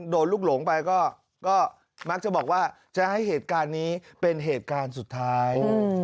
โดนลูกหลงไปก็มักจะบอกว่าจะให้เหตุการณ์นี้เป็นเหตุการณ์สุดท้าย